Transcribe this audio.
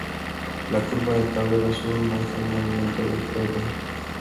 La curva del tablero azul muestra el movimiento de Pb.